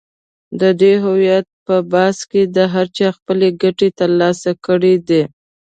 د دې هویت پر بحث کې هر چا خپلې ګټې تر لاسه کړې دي.